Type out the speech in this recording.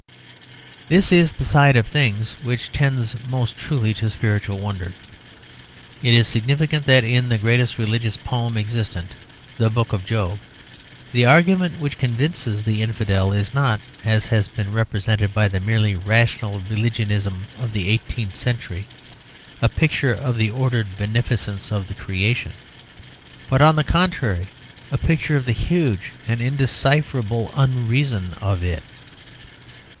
This is the side of things which tends most truly to spiritual wonder. It is significant that in the greatest religious poem existent, the Book of Job, the argument which convinces the infidel is not (as has been represented by the merely rational religionism of the eighteenth century) a picture of the ordered beneficence of the Creation; but, on the contrary, a picture of the huge and undecipherable unreason of it.